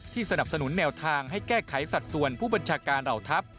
สนับสนุนแนวทางให้แก้ไขสัดส่วนผู้บัญชาการเหล่าทัพ